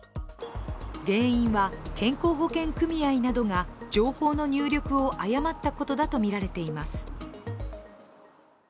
原因は、健康保険組合などが情報の入力を誤ったことだとみられています。